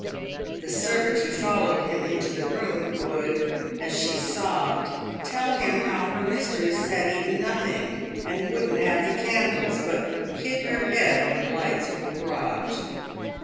The servant who followed him into the room would, as she sobbed, tell him how her mistress had eaten nothing, and wouldn't have the candles, but hid her head when lights were brought.